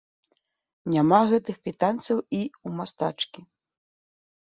Няма гэтых квітанцыяў і ў мастачкі.